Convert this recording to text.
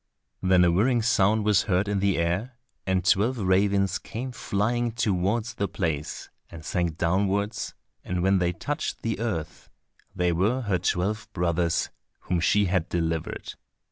Then a whirring sound was heard in the air, and twelve ravens came flying towards the place, and sank downwards, and when they touched the earth they were her twelve brothers, whom she had delivered.